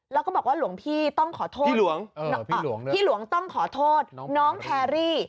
แล้วก็บอกว่าหลวงพี่ต้องขอโทษพี่หลวงต้องขอโทษน้องแพรรี่